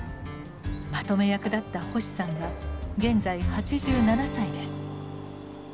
まとめ役だった星さんが現在８７歳です。